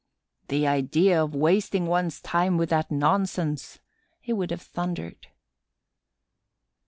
"The idea of wasting one's time with that nonsense!" he would have thundered.